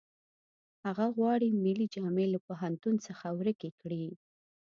هغه غواړي ملي جامې له پوهنتون څخه ورکې کړي